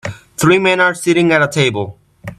Three men are sitting at a table.